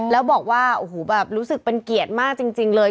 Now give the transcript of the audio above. แล้วบอกว่าโอ้โหแบบรู้สึกเป็นเกียรติมากจริงเลย